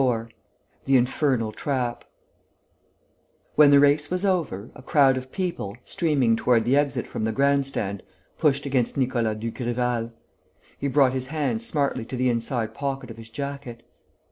IV THE INFERNAL TRAP When the race was over, a crowd of people, streaming toward the exit from the grand stand, pushed against Nicolas Dugrival. He brought his hand smartly to the inside pocket of his jacket.